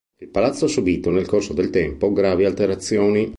Il palazzo ha subito nel corso del tempo gravi alterazioni.